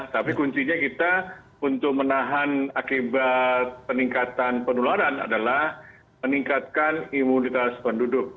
tapi kuncinya kita untuk menahan akibat peningkatan penularan adalah meningkatkan imunitas penduduk